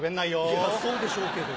いやそうでしょうけど。